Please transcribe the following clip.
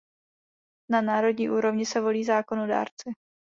Na národní úrovni se volí zákonodárci.